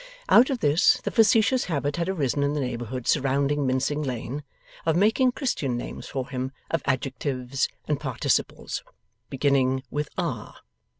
Out of this, the facetious habit had arisen in the neighbourhood surrounding Mincing Lane of making christian names for him of adjectives and participles beginning with R.